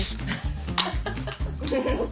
ハハハハ。